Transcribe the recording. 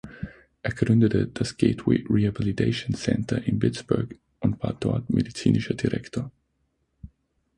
Er gründete das Gateway Rehabilitation Center in Pittsburgh und war dort medizinischer Direktor.